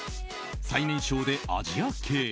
最年少でアジア系。